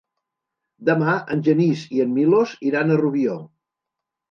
Demà en Genís i en Milos iran a Rubió.